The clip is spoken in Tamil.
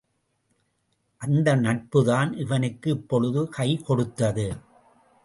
அந்த நட்புதான் இவனுக்கு இப்பொழுது கைகொடுத்தது.